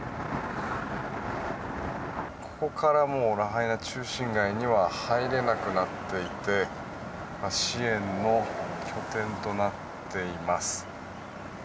ここからもうラハイナ中心街には入れなくなっていて支援の拠点となっています。